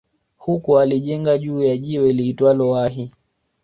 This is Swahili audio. Huko alijenga juu ya jiwe liitwalo Wahi